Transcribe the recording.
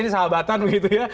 ini sahabatan begitu ya